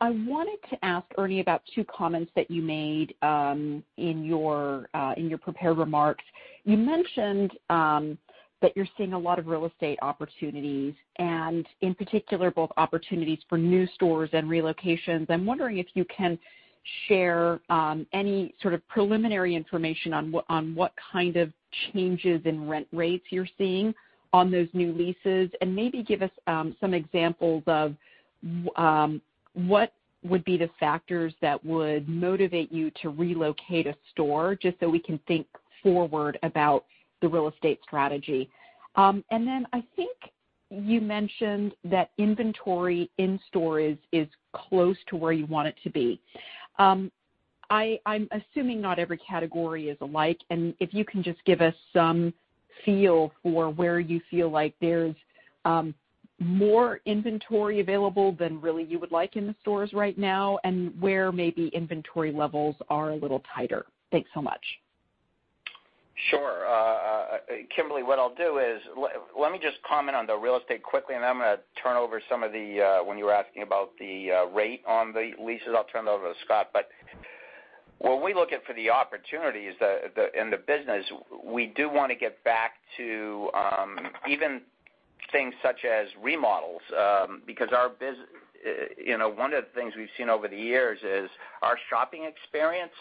I wanted to ask Ernie about two comments that you made in your prepared remarks. You mentioned that you're seeing a lot of real estate opportunities, and in particular, both opportunities for new stores and relocations. I'm wondering if you can share any sort of preliminary information on what kind of changes in rent rates you're seeing on those new leases, and maybe give us some examples of what would be the factors that would motivate you to relocate a store, just so we can think forward about the real estate strategy. Then, I think you mentioned that inventory in stores is close to where you want it to be. I'm assuming not every category is alike, and if you can just give us some feel for where you feel like there's more inventory available than really you would like in the stores right now, and where maybe inventory levels are a little tighter. Thanks so much. Sure. Kimberly, what I'll do is, let me just comment on the real estate quickly, and then I'm going to turn over some of the -- when you were asking about the rate on the leases, I'll turn it over to Scott. When we look at for the opportunities in the business, we do want to get back to even things such as remodels because, you know, one of the things we've seen over the years is our shopping experience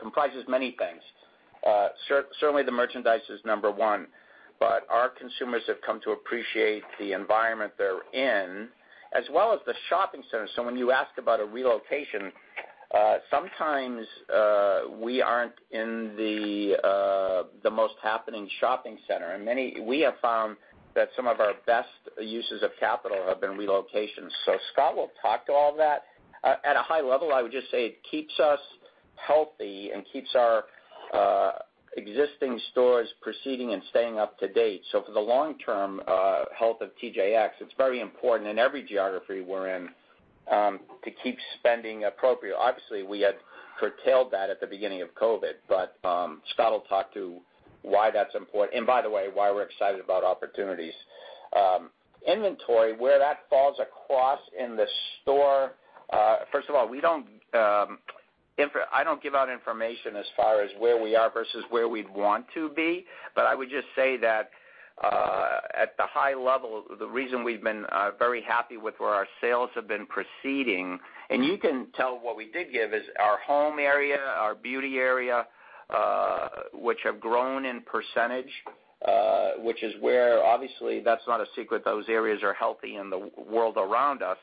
comprises many things. Certainly, the merchandise is number one, but our consumers have come to appreciate the environment they're in, as well as the shopping center. When you ask about a relocation, sometimes we aren't in the most happening shopping center, and we have found that some of our best uses of capital have been relocations. Scott will talk to all that. At a high level, I would just say it keeps us healthy and keeps our existing stores proceeding and staying up to date. For the long-term health of TJX, it's very important in every geography we're in to keep spending appropriate. Obviously, we had curtailed that at the beginning of COVID, but Scott will talk to why that's important, and by the way, why we're excited about opportunities. Inventory, where that falls across in the store. First of all, I don't give out information as far as where we are versus where we'd want to be, but I would just say that at the high level, the reason we've been very happy with where our sales have been proceeding, and you can tell what we did give is our home area, our beauty area, which have grown in percentage, which is where obviously, that's not a secret. Those areas are healthy in the world around us.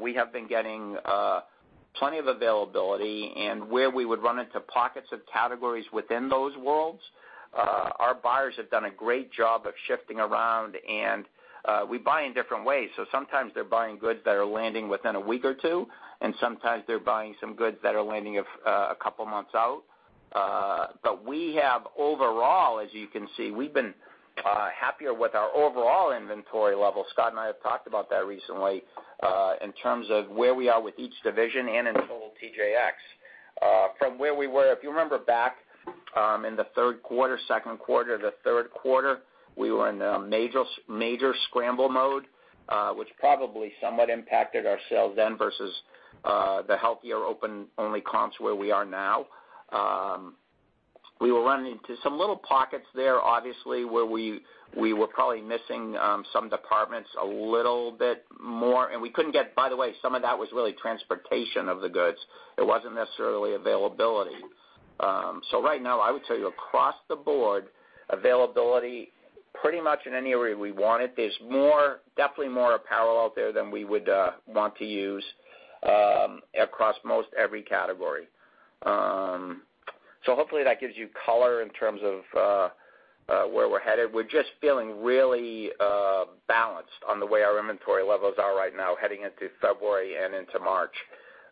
We have been getting plenty of availability and where we would run into pockets of categories within those worlds, our buyers have done a great job of shifting around, and we buy in different ways. Sometimes they're buying goods that are landing within a week or two, and sometimes they're buying some goods that are landing a couple of months out. We have overall, as you can see, we've been happier with our overall inventory level. Scott and I have talked about that recently, in terms of where we are with each division and in total TJX. From where we were, if you remember back in the third quarter, second quarter, the third quarter, we were in a major scramble mode, which probably somewhat impacted our sales then versus the healthier open-only comps where we are now. We will run into some little pockets there, obviously, where we were probably missing some departments a little bit more, and we couldn't get. By the way, some of that was really transportation of the goods. It wasn't necessarily availability. Right now, I would tell you across the board, availability pretty much in any area we wanted. There's definitely more apparel out there than we would want to use across most every category. Hopefully, that gives you color in terms of where we're headed. We're just feeling really balanced on the way our inventory levels are right now, heading into February and into March,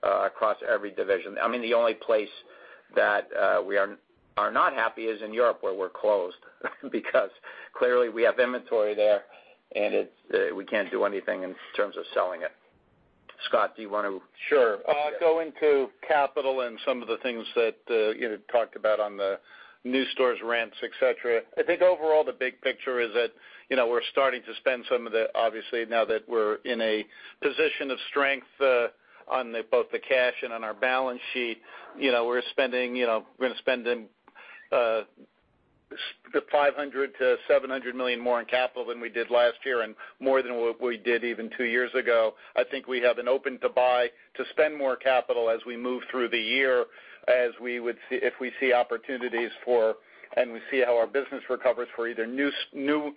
across every division. I mean, the only place that we are not happy is in Europe, where we're closed because clearly we have inventory there, and we can't do anything in terms of selling it. Scott, do you want to Sure. Going to capital and some of the things that you had talked about on the new stores, rents, et cetera. I think overall, the big picture is that, you know, we're starting to spend some of the obviously, now that we're in a position of strength on both the cash and on our balance sheet, we're gonna spend the $500 million-$700 million more in capital than we did last year and more than what we did even two years ago. I think we have an open to buy, to spend more capital as we move through the year, if we see opportunities for, and we see how our business recovers for either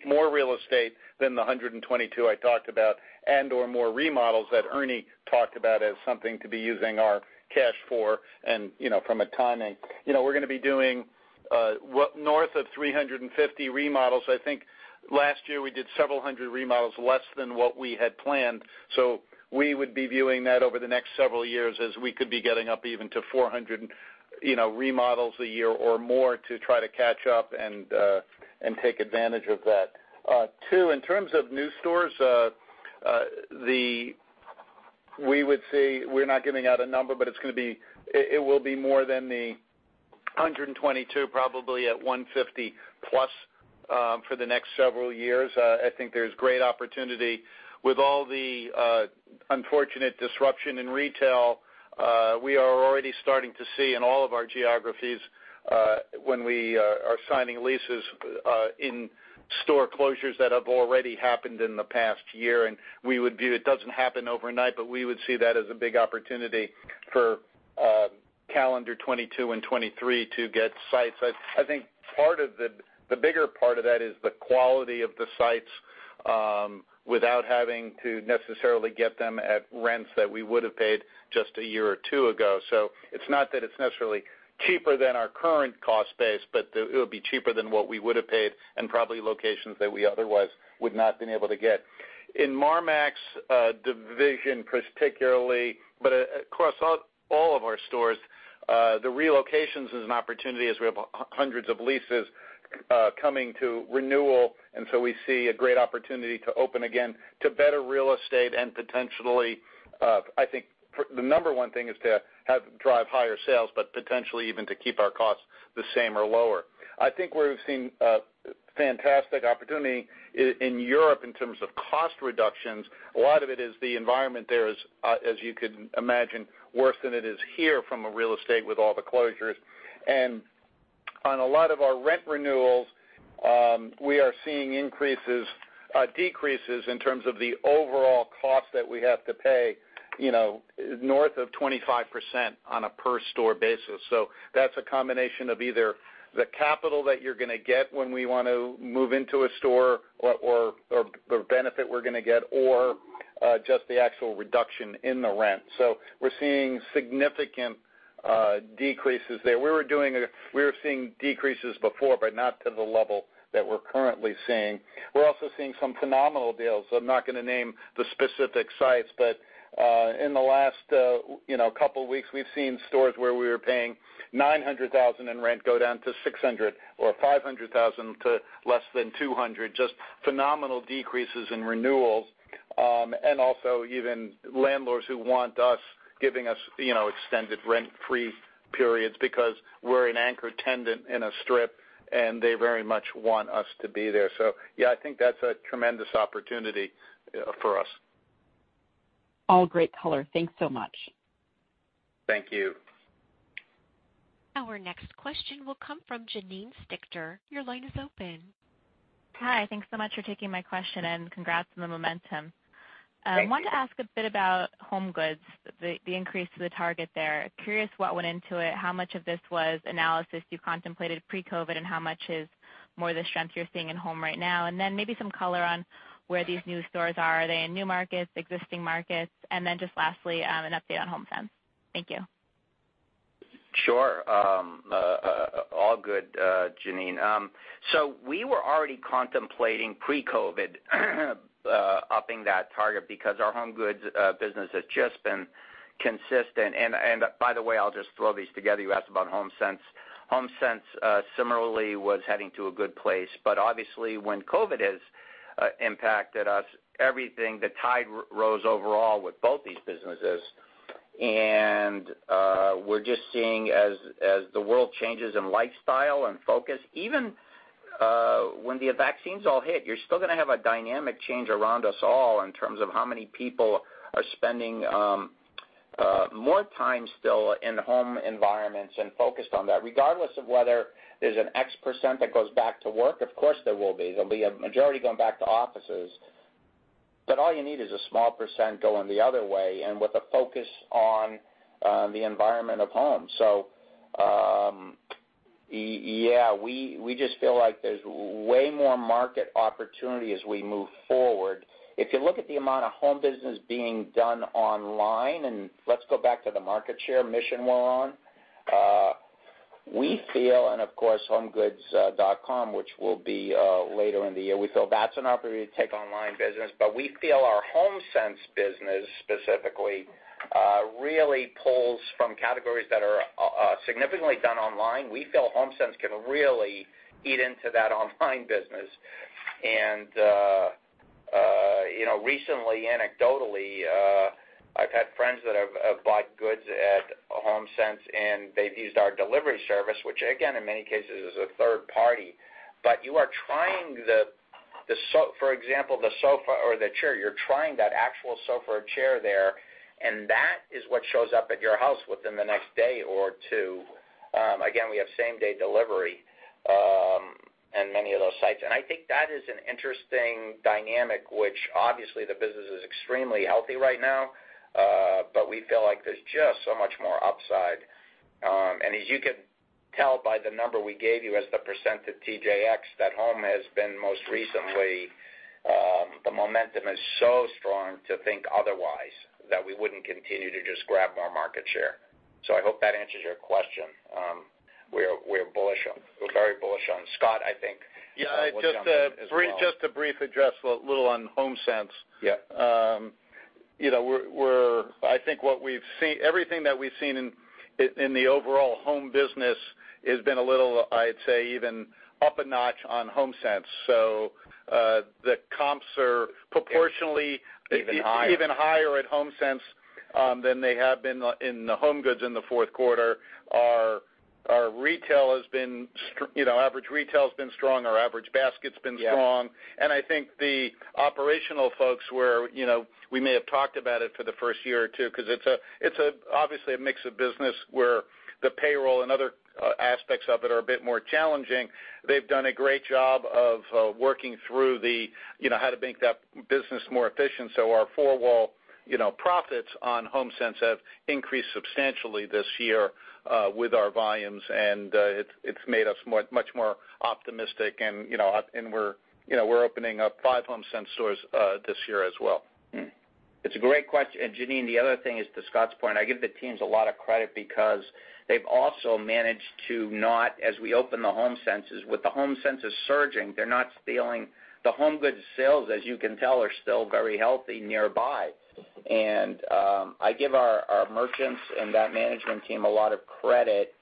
more real estate than the 122 I talked about and/or more remodels that Ernie talked about as something to be using our cash for from timing. We're gonna be doing north of 350 remodels. I think last year, we did several hundred remodels, less than what we had planned. We would be viewing that over the next several years as we could be getting up even to 400 remodels a year or more to try to catch up and take advantage of that. Two, in terms of new stores, we would say we're not giving out a number, but it will be more than the 122, probably at 150-plus for the next several years. I think there's great opportunity. With all the unfortunate disruption in retail, we are already starting to see in all of our geographies, when we are signing leases in store closures that have already happened in the past year, and it doesn't happen overnight, but we would see that as a big opportunity for calendar 2022 and 2023 to get sites. I think the bigger part of that is the quality of the sites without having to necessarily get them at rents that we would have paid just a year or two ago. It's not that it's necessarily cheaper than our current cost base, but it would be cheaper than what we would have paid and probably locations that we otherwise would not been able to get. In Marmaxx division, particularly, but across all of our stores, the relocations is an opportunity as we have hundreds of leases coming to renewal, and so we see a great opportunity to open again to better real estate and potentially, I think, the number one thing is to drive higher sales, but potentially even to keep our costs the same or lower. I think where we've seen a fantastic opportunity in Europe in terms of cost reductions, a lot of it is the environment there is, as you could imagine, worse than it is here from a real estate with all the closures. On a lot of our rent renewals, we are seeing decreases in terms of the overall cost that we have to pay, you know, north of 25% on a per store basis. That's a combination of either the capital that you're gonna get when we want to move into a store or the benefit we're gonna get or just the actual reduction in the rent. We're seeing significant decreases there. We were seeing decreases before, but not to the level that we're currently seeing. We're also seeing some phenomenal deals. I'm not gonna name the specific sites, but in the last couple weeks, we've seen stores where we were paying $900,000 in rent go down to $600,000 or $500,000 to less than $200,000. Just phenomenal decreases in renewals. Also even landlords who want us, giving us extended rent-free periods because we're an anchor tenant in a strip, and they very much want us to be there. Yeah, I think that's a tremendous opportunity for us. All great color. Thanks so much. Thank you. Our next question will come from Janine Stichter. Your line is open. Hi. Thanks so much for taking my question. Congrats on the momentum. Thanks. I wanted to ask a bit about HomeGoods, the increase to the target there. Curious what went into it, how much of this was analysis you contemplated pre-COVID, and how much is more the strength you're seeing in home right now? Then, maybe some color on where these new stores are. Are they in new markets, existing markets? And just lastly, an update on HomeSense. Thank you. Sure. All good, Janine. We were already contemplating pre-COVID upping that target because our HomeGoods business had just been consistent. By the way, I'll just throw these together. You asked about HomeSense. HomeSense similarly was heading to a good place, but obviously when COVID has impacted us, everything, the tide rose overall with both these businesses. We're just seeing as the world changes in lifestyle and focus, even when the vaccines all hit, you're still going to have a dynamic change around us all in terms of how many people are spending more time still in home environments and focused on that, regardless of whether there's an X% that goes back to work. Of course, there will be. There'll be a majority going back to offices. All you need is a small percent going the other way and with a focus on the environment of home. Yeah, we just feel like there's way more market opportunity as we move forward. If you look at the amount of home business being done online, and let's go back to the market share mission we're on. We feel, and of course, homegoods.com, which will be later in the year, we feel that's an opportunity to take online business. We feel our HomeSense business specifically really pulls from categories that are significantly done online. We feel HomeSense can really eat into that online business. Recently, anecdotally, I've had friends that have bought goods at HomeSense, and they've used our delivery service, which again, in many cases is a third party. You are trying, for example, the sofa or the chair, you're trying that actual sofa or chair there, and that is what shows up at your house within the next day or two. Again, we have same-day delivery in many of those sites. I think that is an interesting dynamic, which obviously the business is extremely healthy right now, but we feel like there's just so much more upside. As you could tell by the number we gave you as the percent of TJX, that home has been most recently, the momentum is so strong to think otherwise that we wouldn't continue to just grab more market share. I hope that answers your question. We're very bullish on. Scott, I think, will jump in as well. Yeah, just to brief address a little on HomeSense. Yeah. I think everything that we've seen in the overall home business has been a little, I'd say, even up a notch on HomeSense. The comps are proportionately. Even higher Even higher at HomeSense than they have been in the HomeGoods in the fourth quarter. Our average retail has been strong. Our average basket's been strong. Yeah. I think the operational folks, we may have talked about it for the first year or two because it's obviously a mix of business where the payroll and other aspects of it are a bit more challenging. They've done a great job of working through the, you know, how to make that business more efficient. Our four-wall profits on HomeSense have increased substantially this year with our volumes, and it's made us much more optimistic, and we're opening up five HomeSense stores this year as well. It's a great question. Janine, the other thing is, to Scott's point, I give the teams a lot of credit because they've also managed to not, as we open the HomeSenses, with the HomeSenses surging, they're not stealing the HomeGoods sales, as you can tell, are still very healthy nearby. I give our merchants and that management team a lot of credit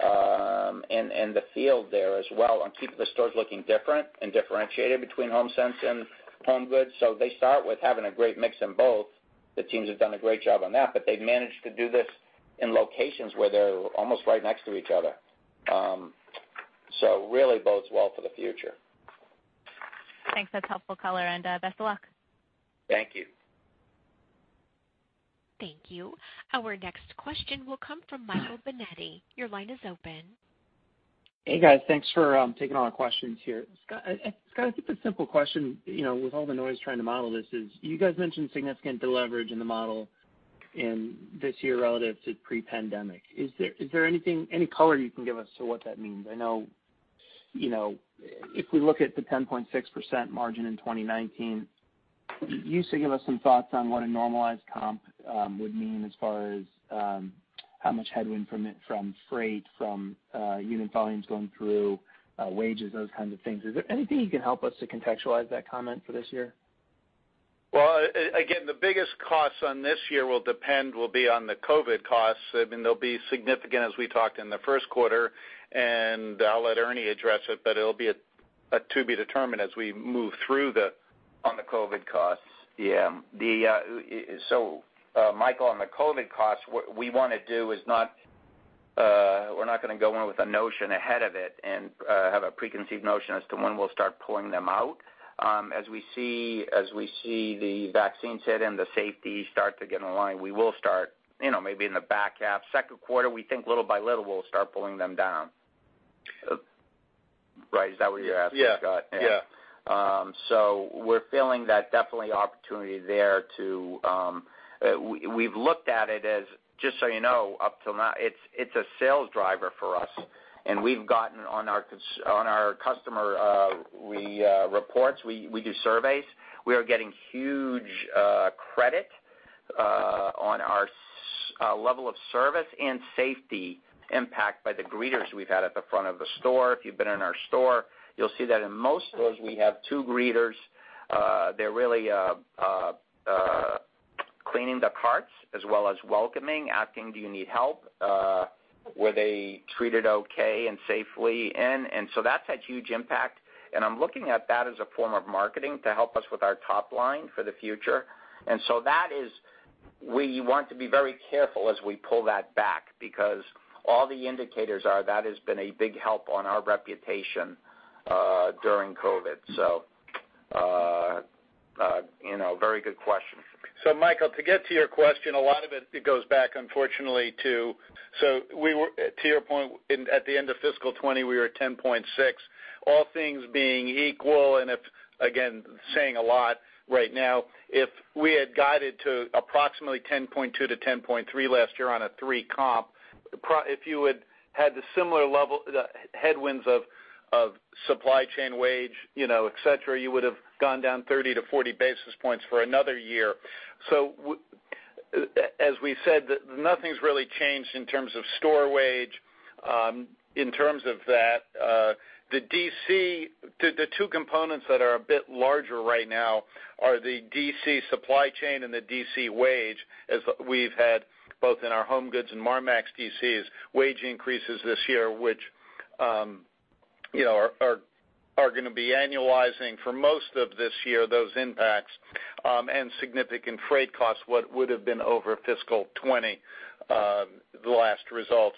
in the field there as well on keeping the stores looking different and differentiated between HomeSense and HomeGoods. They start with having a great mix in both. The teams have done a great job on that, but they've managed to do this in locations where they're almost right next to each other. Really bodes well for the future. Thanks. That's helpful color, and best of luck. Thank you. Thank you. Our next question will come from Michael Binetti. Your line is open. Hey, guys. Thanks for taking all our questions here. Scott, just a simple question, with all the noise trying to model this is, you guys mentioned significant deleverage in the model in this year relative to pre-pandemic. Is there any color you can give us to what that means? I know, if we look at the 10.6% margin in 2019, can you give us some thoughts on what a normalized comp would mean as far as how much headwind from freight, from unit volumes going through, wages, those kinds of things. Is there anything you can help us to contextualize that comment for this year? Again, the biggest cost on this year will be on the COVID costs. I mean, they'll be significant as we talked in the first quarter, and I'll let Ernie address it, but it'll be a to be determined as we move through the on the COVID costs. Yeah. Michael, on the COVID costs, what we want to do is we're not going to go in with a notion ahead of it and have a preconceived notion as to when we'll start pulling them out. As we see the vaccines hit and the safety start to get in line, we will start maybe in the back half, second quarter, we think little by little, we'll start pulling them down. Right, is that what you're asking, Scott? Yeah. We're feeling that definitely opportunity there. We've looked at it as, just so you know, up till now, it's a sales driver for us, and we've gotten on our customer reports, we do surveys. We are getting huge credit on our level of service and safety impact by the greeters we've had at the front of the store. If you've been in our store, you'll see that in most stores, we have two greeters. They're really cleaning the carts as well as welcoming, asking, do you need help? Were they treated okay and safely in? That's had huge impact, and I'm looking at that as a form of marketing to help us with our top line for the future. We want to be very careful as we pull that back, because all the indicators are that has been a big help on our reputation during COVID, so, you know, a very good question. Michael, to get to your question, a lot of it goes back unfortunately to your point. At the end of fiscal 2020, we were 10.6%. All things being equal, and if, again, saying a lot right now, if we had guided to approximately 10.2%-10.3% last year on a three comp, if you had the similar level, the headwinds of supply chain wage, et cetera, you would have gone down 30 to 40 basis points for another year. As we said, nothing's really changed in terms of store wage, in terms of that. The two components that are a bit larger right now are the DC supply chain and the DC wage, as we've had, both in our HomeGoods and Marmaxx DCs, wage increases this year, which are going to be annualizing for most of this year, those impacts, and significant freight costs, what would have been over fiscal 2020 the last results.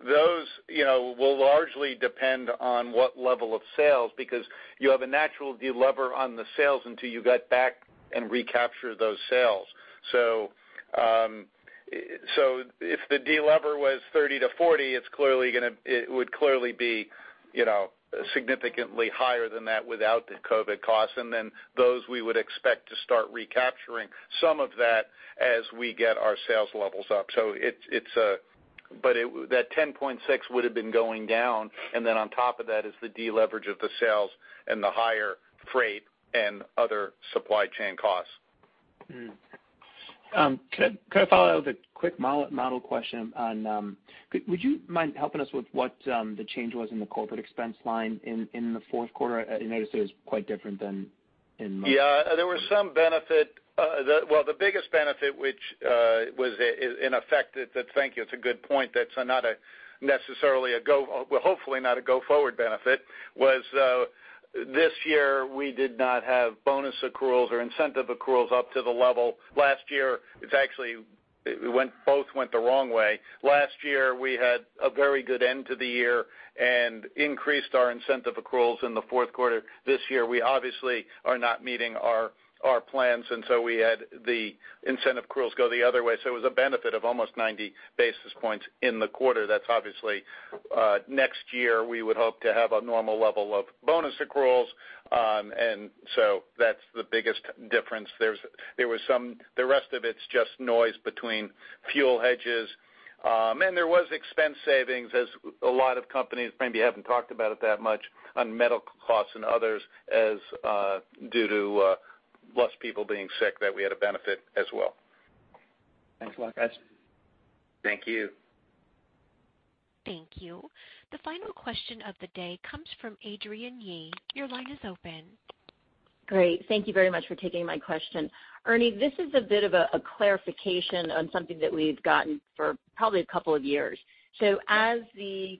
Those will largely depend on what level of sales, because you have a natural delever on the sales until you get back and recapture those sales. If the delever was 30-40, it would clearly be significantly higher than that without the COVID costs. Those we would expect to start recapturing some of that as we get our sales levels up. That 10.6 would have been going down, and then on top of that is the deleverage of the sales and the higher freight and other supply chain costs. Could I follow with a quick model question on Would you mind helping us with what the change was in the corporate expense line in the fourth quarter? I noticed it was quite different than in March. Yeah, there was some benefit. Well, the biggest benefit, which was in effect, thank you, it's a good point, that's hopefully not a go-forward benefit, was this year, we did not have bonus accruals or incentive accruals up to the level. Last year, both went the wrong way. Last year, we had a very good end to the year and increased our incentive accruals in the fourth quarter. This year, we obviously are not meeting our plans, and so we had the incentive accruals go the other way. It was a benefit of almost 90 basis points in the quarter. That's obviously, next year, we would hope to have a normal level of bonus accruals. That's the biggest difference. The rest of it's just noise between fuel hedges. There was expense savings as a lot of companies, maybe haven't talked about it that much, on medical costs and others as due to less people being sick, that we had a benefit as well. Thanks a lot, guys. Thank you. Thank you. The final question of the day comes from Adrienne Yih. Your line is open. Great. Thank you very much for taking my question. Ernie, this is a bit of a clarification on something that we've gotten for probably a couple of years. As the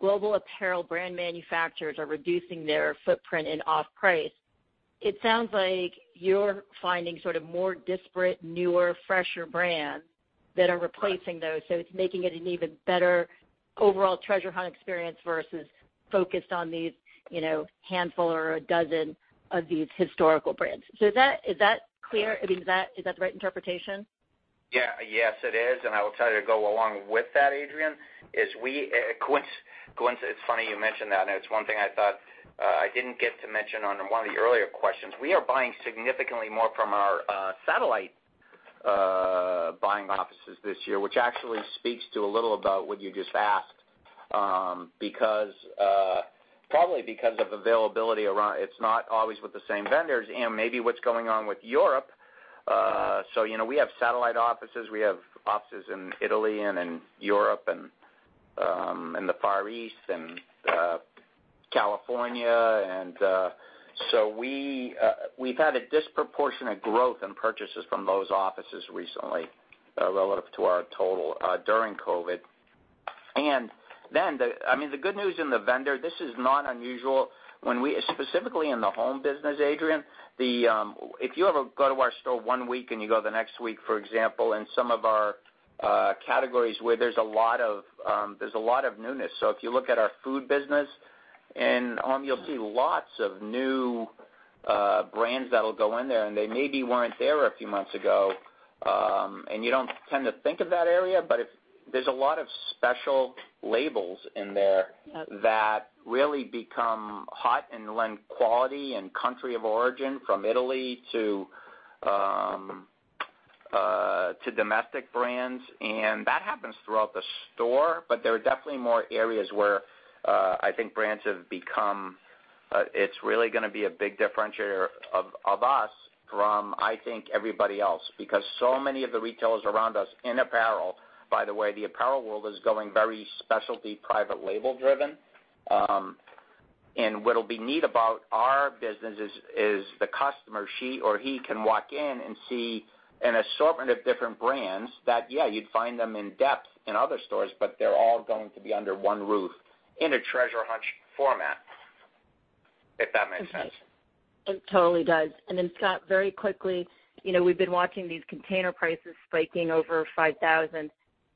global apparel brand manufacturers are reducing their footprint in off-price, it sounds like you're finding sort of more disparate, newer, fresher brands that are replacing those. It's making it an even better overall treasure hunt experience versus focused on these handful or a dozen of these historical brands. Is that clear? I mean, is that the right interpretation? Yeah. Yes, it is. I will tell you to go along with that, Adrienne, it's funny you mentioned that, and it's one thing I thought I didn't get to mention on one of the earlier questions. We are buying significantly more from our satellite buying offices this year, which actually speaks to a little about what you just asked. Probably because of availability around, it's not always with the same vendors and maybe what's going on with Europe. We have satellite offices. We have offices in Italy and in Europe and in the Far East and California. We've had a disproportionate growth in purchases from those offices recently, relative to our total during COVID. The good news in the vendor, this is not unusual. When we, specifically in the home business, Adrienne, if you ever go to our store one week and you go the next week, for example, in some of our categories where there's a lot of newness. If you look at our food business, and you'll see lots of new brands that'll go in there, and they maybe weren't there a few months ago. You don't tend to think of that area, but there's a lot of special labels in there that really become hot and lend quality and country of origin from Italy to domestic brands. That happens throughout the store, but there are definitely more areas where I think brands have become. It's really going to be a big differentiator of us from, I think, everybody else, because so many of the retailers around us in apparel, by the way, the apparel world is going very specialty, private label driven. Yep. What'll be neat about our business is the customer, she or he can walk in and see an assortment of different brands that, yeah, you'd find them in depth in other stores, but they're all going to be under one roof in a treasure hunt format, if that makes sense. It totally does. Scott, very quickly, we've been watching these container prices spiking over $5,000.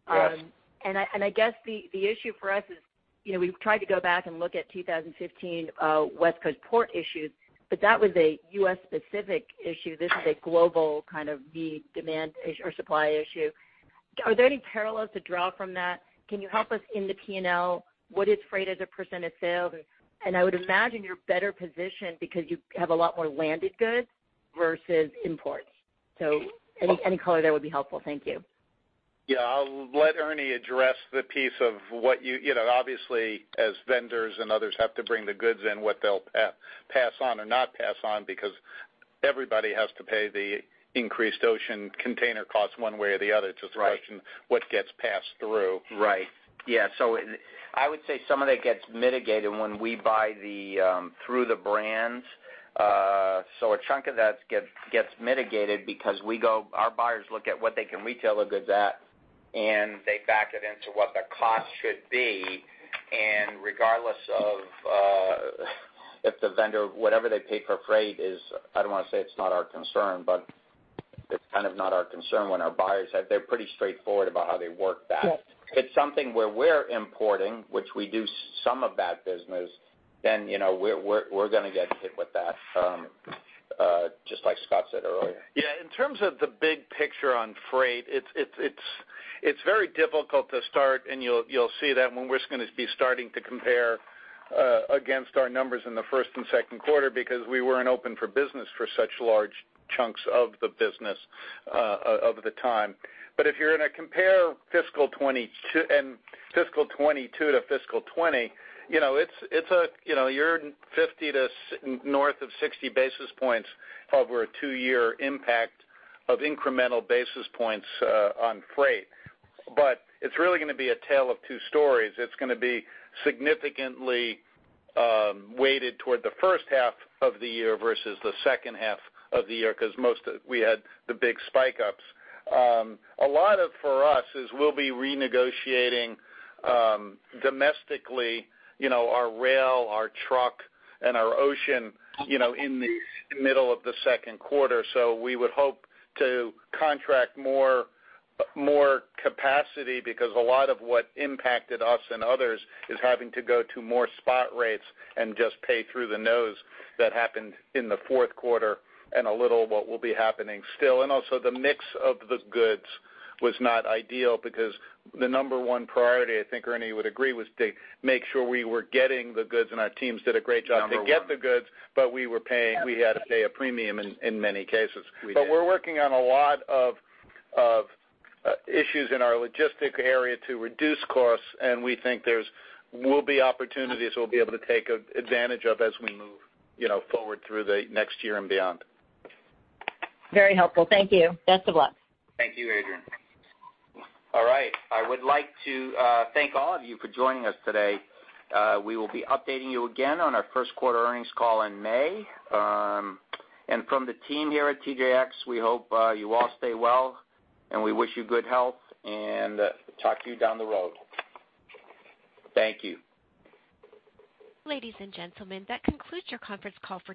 Yes. I guess the issue for us is, we've tried to go back and look at 2015 West Coast port issues, but that was a U.S.-specific issue. This is a global kind of demand issue or supply issue. Are there any parallels to draw from that? Can you help us in the P&L, what is freight as a percent of sales? I would imagine you're better positioned because you have a lot more landed goods versus imports. Any color there would be helpful. Thank you. Yeah. I'll let Ernie address the piece of obviously, as vendors and others have to bring the goods in, what they'll pass on or not pass on, because everybody has to pay the increased ocean container costs one way or the other. Right what gets passed through. Right. Yeah. I would say some of that gets mitigated when we buy through the brands. A chunk of that gets mitigated because our buyers look at what they can retail the goods at, and they back it into what the cost should be. Regardless of if the vendor, whatever they pay for freight is, I don't want to say it's not our concern, but it's kind of not our concern when our buyers are pretty straightforward about how they work that. Yes. If it's something where we're importing, which we do some of that business, then we're gonna get hit with that, just like Scott said earlier. Yeah. In terms of the big picture on freight, it's very difficult to start, and you'll see that when we're just going to be starting to compare against our numbers in the first and second quarter because we weren't open for business for such large chunks of the business of the time. If you're gonna compare fiscal 2022 to fiscal 2020, you're 50 to north of 60 basis points over a two-year impact of incremental basis points on freight. It's really gonna be a tale of two stories. It's gonna be significantly weighted toward the first half of the year versus the second half of the year because we had the big spike ups. A lot of for us is, we'll be renegotiating domestically our rail, our truck, and our ocean in the middle of the second quarter. We would hope to contract more capacity because a lot of what impacted us and others is having to go to more spot rates and just pay through the nose. That happened in the fourth quarter and a little what will be happening still. Also, the mix of the goods was not ideal because the number one priority, I think Ernie would agree, was to make sure we were getting the goods, and our teams did a great job. Number one. To get the goods, but we had to pay a premium in many cases. We did. We're working on a lot of issues in our logistic area to reduce costs, and we think there will be opportunities we'll be able to take advantage of as we move forward through the next year and beyond. Very helpful. Thank you. Best of luck. Thank you, Adrienne. All right. I would like to thank all of you for joining us today. We will be updating you again on our first quarter earnings call in May. From the team here at TJX, we hope you all stay well, and we wish you good health, and talk to you down the road. Thank you. Ladies and gentlemen, that concludes your conference call for TJX.